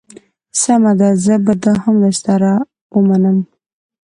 سمه ده زه به دا هم در سره ومنم.